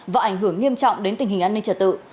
và ảnh hưởng nghiêm trọng đến tình hình an ninh trật tự